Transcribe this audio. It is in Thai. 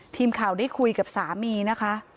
ทีมข่าวได้คุยกับสามีนะคะ